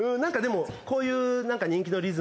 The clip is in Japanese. こういう。